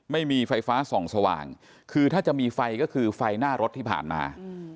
ไม่มีไฟฟ้าส่องสว่างคือถ้าจะมีไฟก็คือไฟหน้ารถที่ผ่านมา